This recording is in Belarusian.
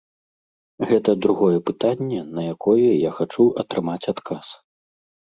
Гэта другое пытанне, на якое я хачу атрымаць адказ.